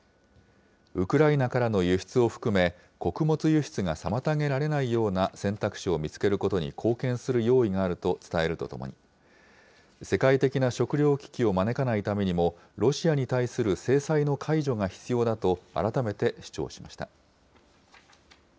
ウクライナからの輸出を含め、穀物輸出が妨げられないような選択肢を見つけることに貢献する用意があると伝えるとともに、世界的な食糧危機を招かないためにも、ロシアに対する制裁の解除が必要だと改めて主張しました。